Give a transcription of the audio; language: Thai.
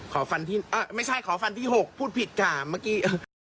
ฟันที่ไม่ใช่ขอฟันที่๖พูดผิดค่ะเมื่อกี้